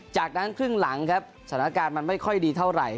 จากนั้นครึ่งหลังครับสถานการณ์มันไม่ค่อยดีเท่าไหร่